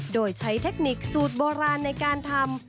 โดยใช้เทคนิคสูตรโบราณในการทำ